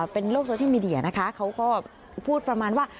เป็นโลกโซเชียลมีเดียนะคะเขาก็พูดประมาณว่า